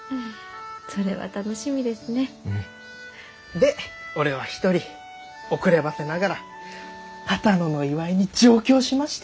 で俺は一人遅ればせながら波多野の祝いに上京しまして。